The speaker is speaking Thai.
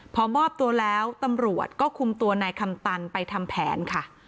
พอมอบตัวแล้วตำรวจก็คุมตัวนายคำตันไปทำแผนค่ะ